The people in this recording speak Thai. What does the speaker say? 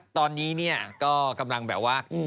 ตอนนี้เนี่ยก็กำลังแบบว่า